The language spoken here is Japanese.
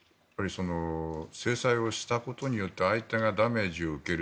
制裁をしたことによって相手がダメージを受ける。